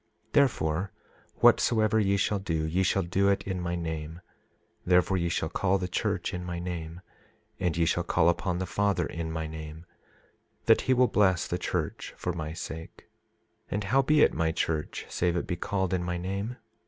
27:7 Therefore, whatsoever ye shall do, ye shall do it in my name; therefore ye shall call the church in my name; and ye shall call upon the Father in my name that he will bless the church for my sake. 27:8 And how be it my church save it be called in my name?